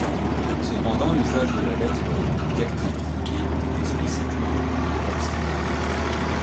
Cependant, l'usage de la lettre diactritiquée est explicitement recommandée par le standard.